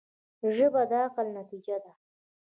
ژبه د عقل نتیجه ده